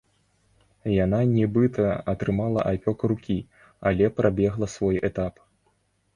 Яна, нібыта, атрымала апёк рукі, але прабегла свой этап.